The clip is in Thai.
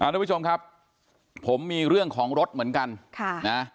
ทุกผู้ชมครับผมมีเรื่องของรถเหมือนกันค่ะนะ